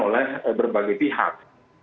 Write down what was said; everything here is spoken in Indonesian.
oleh berbagai pihak